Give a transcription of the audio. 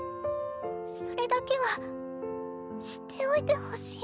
それだけは知っておいてほしい。